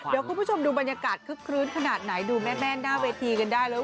เดี๋ยวคุณผู้ชมดูบรรยากาศคึกคลื้นขนาดไหนดูแม่หน้าเวทีกันได้แล้ว